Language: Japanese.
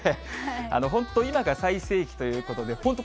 本当、今が最盛期ということで、本当